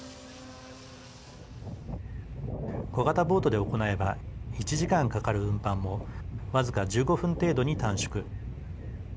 小型ボートで行えば１時間かかる運搬も僅か１５分程度に短縮。